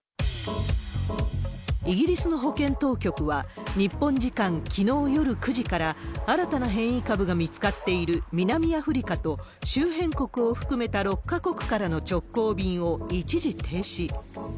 イギリスの保健当局は、日本時間きのう夜９時から、新たな変異株が見つかっている南アフリカと、周辺国を含めた６か国からの直行便を一時停止。